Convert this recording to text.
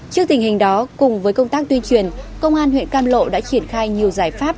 trước tình hình đó cùng với công tác tuyên truyền công an huyện cam lộ đã triển khai nhiều giải pháp